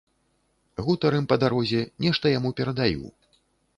Гутарым па дарозе, нешта яму перадаю.